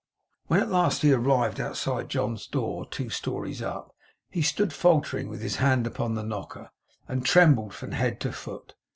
When at last he arrived outside John's door, two stories up, he stood faltering with his hand upon the knocker, and trembled from head to foot.